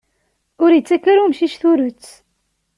Ur ittak ara umcic turet.